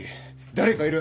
誰かいる！